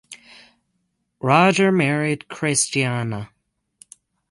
Roger married Christiana.